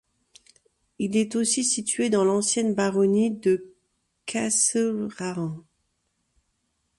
Il est aussi situé dans l'ancienne baronnie de Castlerahan.